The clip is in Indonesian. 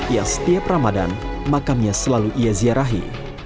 yang setiap ramadan makamnya selalu ia ziarahi